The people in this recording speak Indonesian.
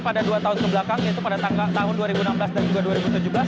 pada dua tahun kebelakang yaitu pada tahun dua ribu enam belas dan juga dua ribu tujuh belas